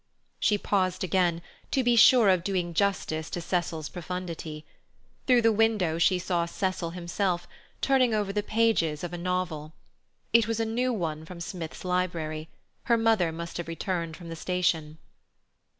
She paused again, to be sure of doing justice to Cecil's profundity. Through the window she saw Cecil himself, turning over the pages of a novel. It was a new one from Smith's library. Her mother must have returned from the station.